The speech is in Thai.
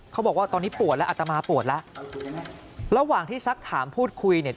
เขาบอกว่าตอนนี้ปวดแล้วอัตมาปวดแล้วระหว่างที่สักถามพูดคุยเนี่ย